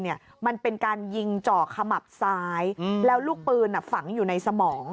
มันเป็นการยิงเจาะขมับซ้ายแล้วลูกปืนฝังอยู่ในสมอง